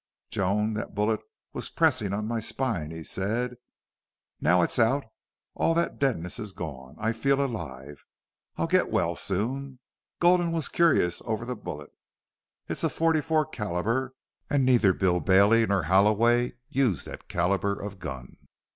"Joan, that bullet was pressing on my spine," he said. "Now it's out, all that deadness is gone. I feel alive. I'll get well, soon.... Gulden was curious over the bullet. It's a forty four caliber, and neither Bill Bailey nor Halloway used that caliber of gun.